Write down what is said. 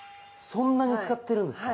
そんなに使ってるんですか？